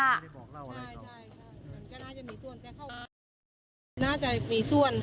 ใช่มันก็น่าจะมีส่วนแต่เขาน่าจะมีส่วน